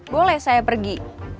boleh saya pergi